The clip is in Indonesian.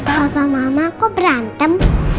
papa mama kok berantem